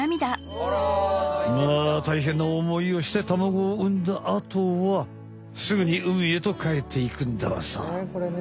まあ大変なおもいをして卵を産んだあとはすぐに海へとかえっていくんだわさ。